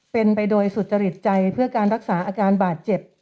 เป็นไปโดยสุจริตใจเพื่อการรักษาอาการบาดเจ็บ